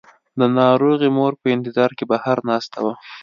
د ناروغې مور په انتظار کې بهر ناسته وه.